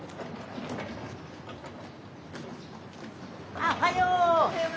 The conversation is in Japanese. あおはよう。